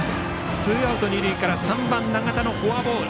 ツーアウト二塁から３番、永田のフォアボール。